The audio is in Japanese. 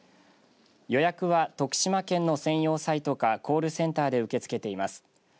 予約は、徳島県の専用サイトかコールセンターで受け付けています。